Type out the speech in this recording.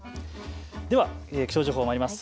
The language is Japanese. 気象情報まいります。